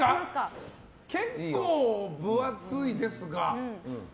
結構分厚いですが。